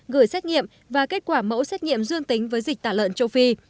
gửi xét nghiệm và kết quả mẫu xét nghiệm dương tính với dịch tả lợn châu phi